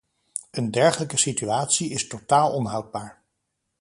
Een dergelijke situatie is totaal onhoudbaar.